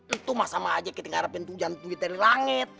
itu mah sama aja kita ngarepin tujan tujuan dari langit